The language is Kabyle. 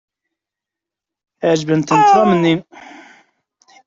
Ɛejbent-ten tram-nni.